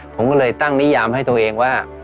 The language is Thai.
ผมก็เลยตั้งนิยามให้ตัวเองว่า